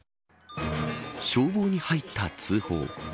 消防に入った通報。